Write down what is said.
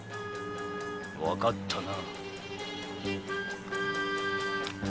わかったな！